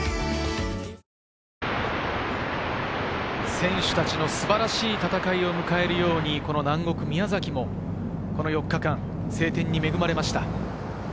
選手たちの素晴らしい戦いを迎えるように南国・宮崎も４日間、晴天に恵まれました。